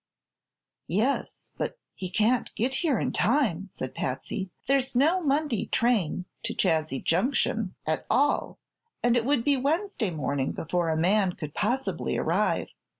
"Yes; but he can't get here in time," said Patsy. "There's no Monday train to Chazy Junction, at all, and it would be Wednesday morning before a man could possibly arrive.